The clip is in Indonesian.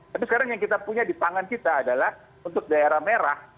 tapi sekarang yang kita punya di pangan kita adalah untuk daerah merah